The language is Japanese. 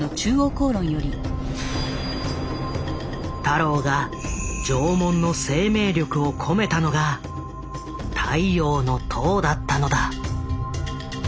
太郎が縄文の生命力を込めたのが「太陽の塔」だったのだ。